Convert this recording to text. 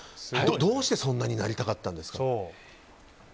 どうしてそんなになりたかったんですか？